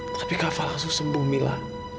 tapi kak fadil langsung sembuh mila